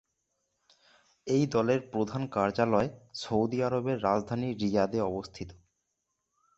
এই দলের প্রধান কার্যালয় সৌদি আরবের রাজধানী রিয়াদে অবস্থিত।